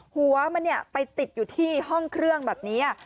หัวมันไปติดอยู่ที่ห้องเครื่องแบบนี้